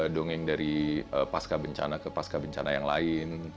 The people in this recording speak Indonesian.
dongeng dari pasca bencana ke pasca bencana yang lain